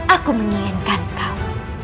aku menginginkan kau